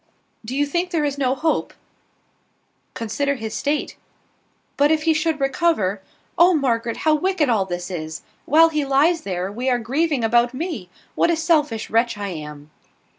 "Do you think there is no hope?" "Consider his state." "But if he should recover? Oh, Margaret, how wicked all this is! While he lies there, we are grieving about me! What a selfish wretch I am!"